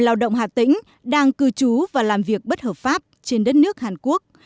một ba trăm linh lao động hà tĩnh đang cư trú và làm việc bất hợp pháp trên đất nước hàn quốc